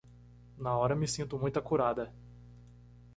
Na hora me sinto muito acurada